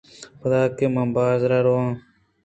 پدا کہ من بازار ءَ رَوَاں